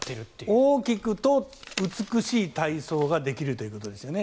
大きくと美しい体操ができるということですよね。